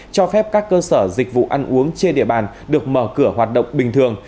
cho phép các cơ sở dịch vụ ăn uống trên địa bàn được mở cửa hoạt động bình thường